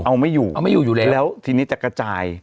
เอาไม่อยู่เอาไม่อยู่อยู่แล้วแล้วทีนี้จะกระจาย